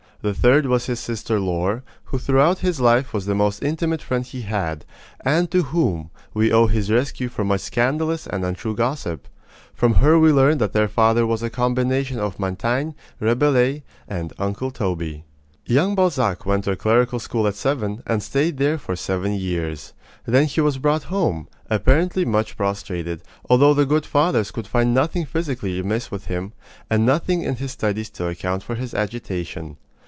The third was his sister Laure, who throughout his life was the most intimate friend he had, and to whom we owe his rescue from much scandalous and untrue gossip. From her we learn that their father was a combination of Montaigne, Rabelais, and "Uncle Toby." Young Balzac went to a clerical school at seven, and stayed there for seven years. Then he was brought home, apparently much prostrated, although the good fathers could find nothing physically amiss with him, and nothing in his studies to account for his agitation.